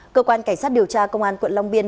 cơ quan cảnh sát điều tra công an quận long biên